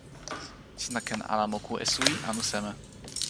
sina ken ala moku e suwi anu seme?